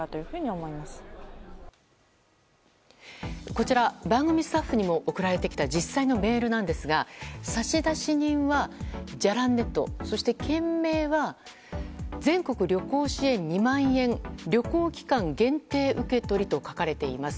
こちら番組スタッフにも送られてきた実際のメールなんですが差出人は、じゃらんｎｅｔそして件名は「全国旅行支援２００００円旅行期間限定受け取り。」と書かれています。